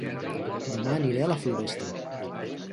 Dema aniré a La Floresta